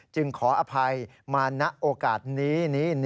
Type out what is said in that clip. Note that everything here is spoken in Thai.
จึงขออภัยมานักโอกาสนี้